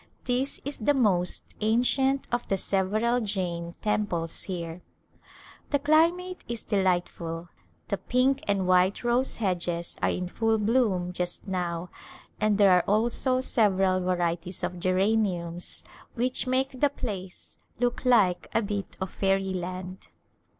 This is the most ancient of the several Jain temples here. The climate is delightful. The pink and white rose hedges are in full bloom just now and there are also several varieties of geraniums, which make the place look like a bit of fairy land.